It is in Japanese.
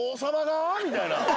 みたいな。